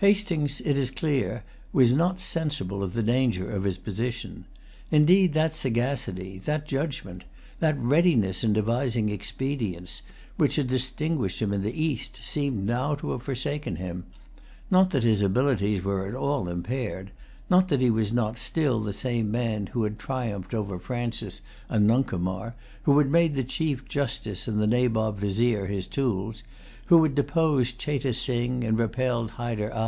Hastings, it is clear, was not sensible of the danger of his position. Indeed that sagacity, that judgment, that readiness in devising expedients, which had distinguished him in the East, seemed now to have forsaken him; not that his abilities were at all impaired; not that he was not still the same man who had triumphed over Francis and Nuncomar, who had made the Chief Justice and the Nabob Vizier his tools, who had deposed Cheyte Sing, and repelled Hyder Ali.